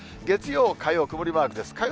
月曜、火曜、曇りマークです。